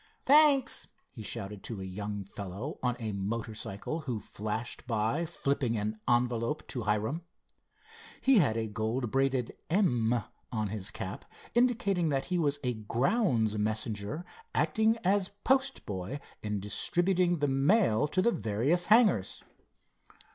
Thanks!" he shouted to a young fellow on a motor cycle who flashed by, flipping an envelope to Hiram. He had a gold braided "M" on his cap, indicating that he was a grounds messenger acting as postboy in distributing the mail to the various hangars.